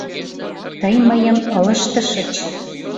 Тый мыйым ылыжтышыч!